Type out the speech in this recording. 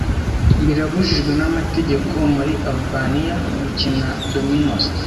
Birabujijwe n'amategeko muri Alubaniya gukina Dominos